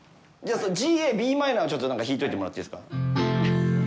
Ｇ、Ａ、Ｂマイナーを弾いといてもらってもいいですか。